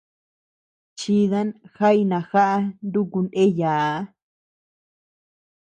Chidan jañ najaʼa nuku ndeyaa.